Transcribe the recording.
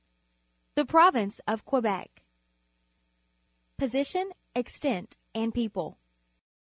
THE PROVINCE OF QUEBEC Position, Extent, and People.